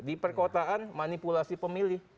di perkotaan manipulasi pemilih